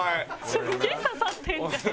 すげえ刺さってんじゃん。